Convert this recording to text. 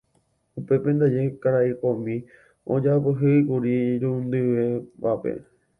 Upépe ndaje karai komi ojapyhýkuri irundyvévape.